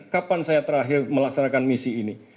kapan saya terakhir melaksanakan misi ini